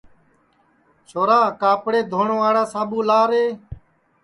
چھورا کاپڑے دھونواڑا ساٻو لارے